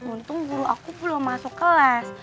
untung guru aku belum masuk kelas